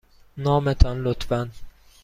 نام تان، لطفاً.